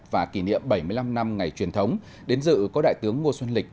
và kỷ niệm bảy mươi năm năm ngày truyền thống đến dự có đại tướng ngô xuân lịch